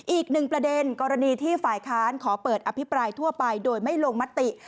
อีกหนึ่งประเด็นกรณีที่ฝ่ายค้านขอเปิดอภิปรายทั่วไปโดยไม่ลงมติ